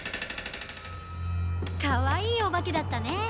かわいいおばけだったね。